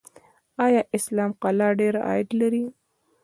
آیا اسلام قلعه ډیر عاید لري؟